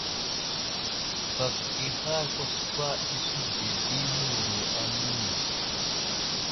Bak ihar kwaskwa i suvde di newuro a Mimi.